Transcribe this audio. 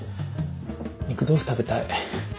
肉豆腐食べたい。